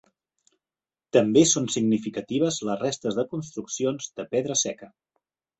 També són significatives les restes de construccions de pedra seca.